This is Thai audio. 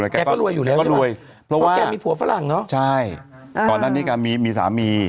แกก็รวยอยู่แล้วใช่ไหมเพราะแกมีผัวฝรั่งเนอะใช่ก่อนหน้านี้แกมีสามี